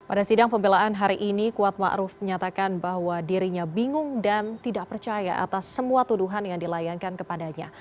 pada sidang pembelaan hari ini kuat ⁇ maruf ⁇ menyatakan bahwa dirinya bingung dan tidak percaya atas semua tuduhan yang dilayangkan kepadanya